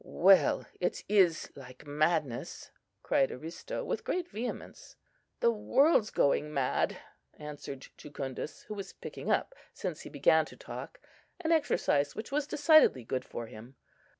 "Well, it is like madness!" cried Aristo, with great vehemence. "The world's going mad!" answered Jucundus, who was picking up, since he began to talk, an exercise which was decidedly good for him.